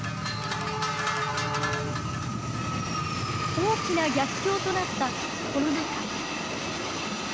大きな逆境となったコロナ禍。